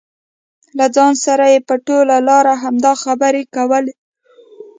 له ځان سره یې په ټوله لار همدا خبرې کولې.